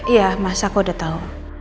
iya mas aku udah tahu